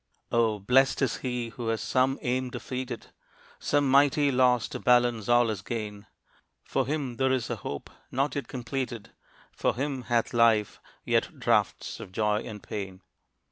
Oh, blest is he who has some aim defeated; Some mighty loss to balance all his gain. For him there is a hope not yet completed; For him hath life yet draughts of joy and pain.